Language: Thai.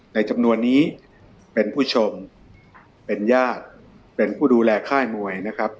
จำนวนนี้เป็นผู้ชมเป็นญาติเป็นผู้ดูแลค่ายมวยนะครับ